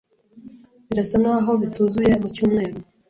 Birasa nkaho bituzuye mu cyumweru.